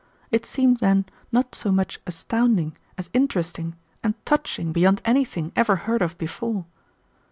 It seemed then not so much astounding as interesting and touching beyond anything ever heard of before."